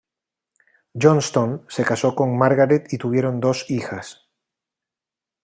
Johnstone se casó con Margaret y tuvieron dos hijas.